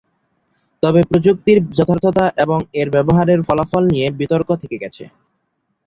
তবে প্রযুক্তির যথার্থতা এবং এর ব্যবহারের ফলাফল নিয়ে বিতর্ক থেকে গেছে।